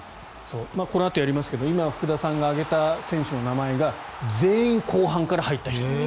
このあとやりますが今、福田さんが挙げた選手の名前が全員、後半から入った人。